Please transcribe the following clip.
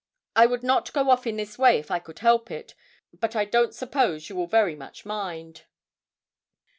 I would not go off in this way if I could help it; but I don't suppose you will very much mind.'